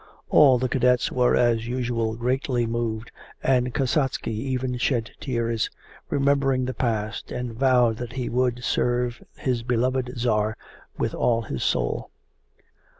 All the cadets were as usual greatly moved, and Kasatsky even shed tears, remembering the past, and vowed that he would serve his beloved Tsar with all his soul.